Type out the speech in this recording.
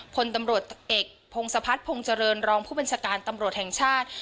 พลตำรวจเอกพงศพัฒนพงษ์เจริญรองผู้บัญชาการตำรวจแห่งชาติ